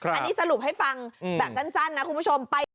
อันนี้สรุปให้ฟังแบบสั้นนะคุณผู้ชม